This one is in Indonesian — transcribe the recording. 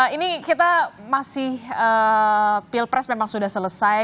ini kita masih pilpres memang sudah selesai